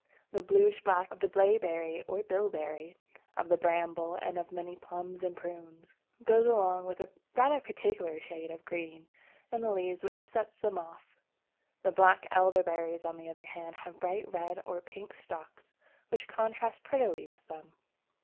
The bluish black of the Blaeberry or Bilberry, of the Bramble, and of many Plums and Prunes, goes along with a rather peculiar shade of green in the leaves which sets them off. The black Elder berries, on the other hand, have bright red or pink stalks which contrast prettily with them.